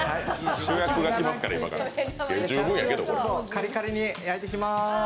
カリカリに焼いていきます。